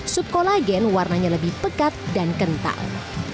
sup kolagen warnanya lebih pekat dan kental